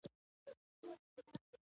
هغه کولای شي د هند تخت ونیسي.